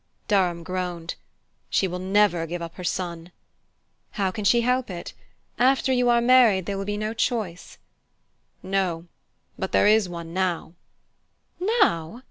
Durham groaned. "She will never give up her son!" "How can she help it? After you are married there will be no choice." "No but there is one now." "_Now?